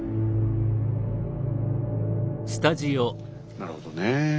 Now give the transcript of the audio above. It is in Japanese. なるほどね。